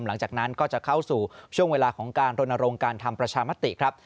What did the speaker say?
หลังจากนั้นก็จะเข้าสู่ช่วงเวลาของการรณรงค์การทำประชามติครับ